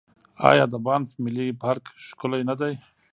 آیا د بانف ملي پارک ښکلی نه دی؟